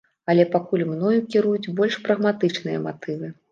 Але пакуль мною кіруюць больш прагматычныя матывы.